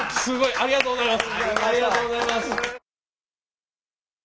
ありがとうございます！